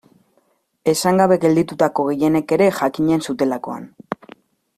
Esan gabe gelditutako gehienek ere jakinen zutelakoan.